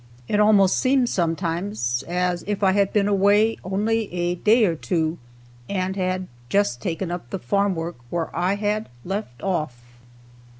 It almost seemed, sometimes, as if I had been away only a day or two, and had just taken up the farm work where I had left off.